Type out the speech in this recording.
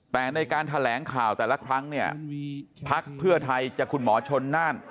แต่ในการแถลงข่าวแต่ละครั้งเนี่ยพักเพื่อไทยจากคุณหมอชนน่าน